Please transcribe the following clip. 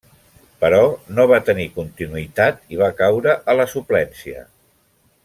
Però, no va tenir continuïtat i va caure a la suplència.